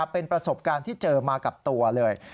เป็นประสบการณ์ที่เจอมากับตัวเลย